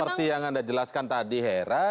seperti yang anda jelaskan tadi hera